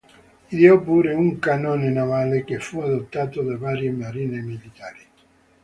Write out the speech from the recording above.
Ideò pure un cannone navale che fu adottato da varie marine militari.